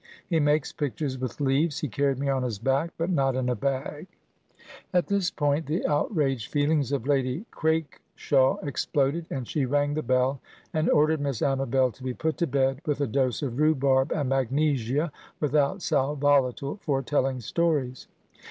He makes pictures with leaves. He carried me on his back, but not in a bag"— At this point the outraged feelings of Lady Craikshaw exploded, and she rang the bell, and ordered Miss Amabel to be put to bed with a dose of rhubarb and magnesia (without sal volatile), for telling stories.